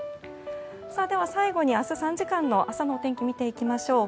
では、最後に明日３時間の朝のお天気見ていきましょう。